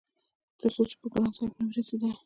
تر څو چې به ګران صاحب نه وو رارسيدلی-